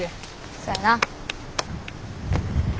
そやな。